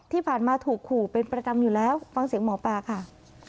ที่ผ่านมาถูกขู่เป็นประจำอยู่แล้วฟังเสียงหมอปลาค่ะ